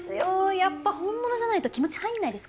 やっぱ本物じゃないと気持ち入んないですからね。